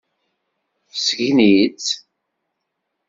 Sgen-itt.